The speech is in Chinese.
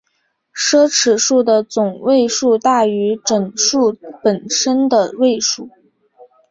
奢侈数的总位数大于整数本身的位数。